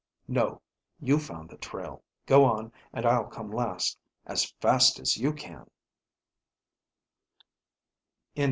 "No. You found the trail. Go on, and I'll come last. As fast as you can."